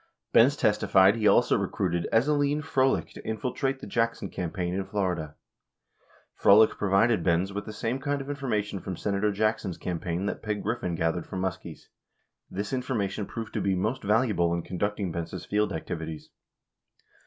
50 Benz testified he also recruited Eselene Frolich to infiltrate the Jack son campaign in Florida. 51 Frolich provided Benz with the same kind of information from Senator Jackson's campaign that Peg Griffin gathered from Muskie's. This information proved to be most valuable in conducting Benz' field activities.